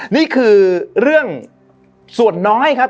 นี่คือเรื่องส่วนน้อยครับ